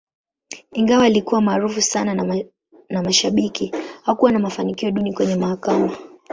Ingawa alikuwa maarufu sana na mashabiki, hakuwa na mafanikio duni kwenye mahakama.